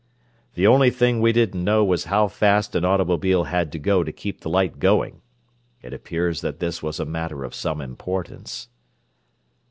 The only thing we didn't know was how fast an automobile had to go to keep the light going. It appears that this was a matter of some importance."